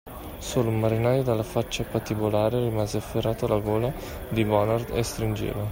Solo un marinaio dalla faccia patibolare rimase afferrato alla gola di Bonard e stringeva